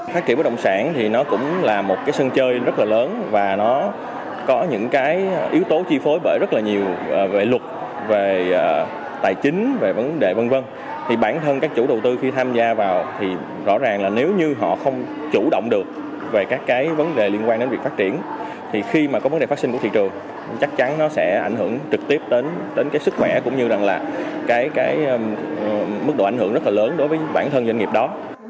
các dự án sẽ ảnh hưởng trực tiếp đến sức khỏe cũng như mức độ ảnh hưởng rất lớn đối với bản thân doanh nghiệp đó